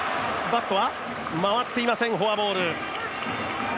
バットは回っていません、フォアボール。